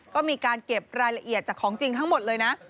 ก็มีการเก็บรายละเอียดจากของจริงทั้งหมดเลยนะ